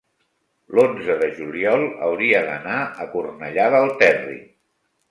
l'onze de juliol hauria d'anar a Cornellà del Terri.